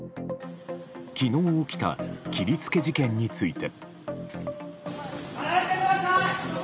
昨日起きた切りつけ事件について。